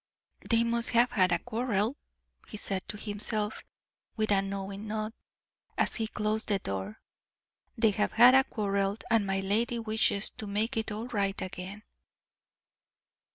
"They must have had a quarrel," he said to himself, with a knowing nod, as he closed the door. "They have had a quarrel, and my lady wishes to make it all right again."